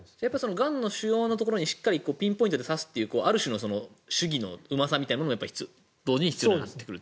がんの腫瘍のところにしっかりピンポイントに差すというある種の手技のうまさみたいなのも同時に必要になってくると。